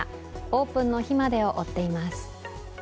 オープンの日までを追っています。